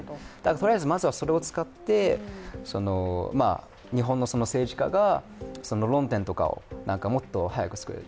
とりあえずまずはそれを使って、日本の政治家が論点とかをもっと早くすくえる。